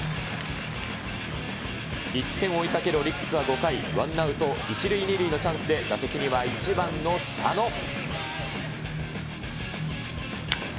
１点を追いかけるオリックスは５回、ワンアウト１塁２塁のチャンスで、打席には１番の佐野。